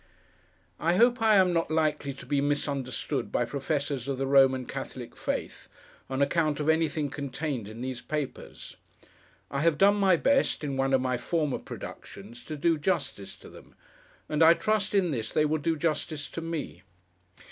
I hope I am not likely to be misunderstood by Professors of the Roman Catholic faith, on account of anything contained in these pages. I have done my best, in one of my former productions, to do justice to them; and I trust, in this, they will do justice to me.